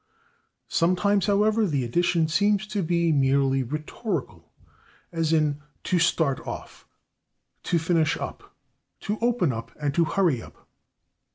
Sometimes, however, the addition seems to be merely rhetorical, as in /to start off/, /to finish up/, /to open up/ and /to hurry up